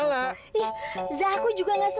baik mati jalan ganze